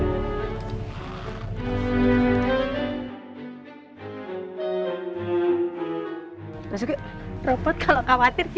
masuki robot kalau khawatir gitu ya